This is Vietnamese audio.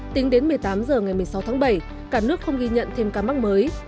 tính đến một mươi tám h ngày một mươi sáu tháng bảy cả nước không ghi nhận thêm ca mắc mới